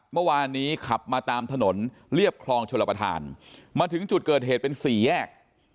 เมื่อวานนี้ขับมาตามถนนเรียบคลองชลประธานมาถึงจุดเกิดเหตุเป็นสี่แยก